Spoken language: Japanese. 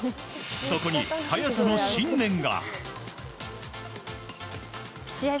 そこに早田の信念が。